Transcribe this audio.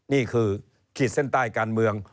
นี่คือขีดเส้นใต้การเมือง